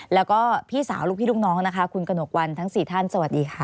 แล้วก็พี่สาวลูกพี่ลูกน้องนะคะคุณกระหนกวันทั้ง๔ท่านสวัสดีค่ะ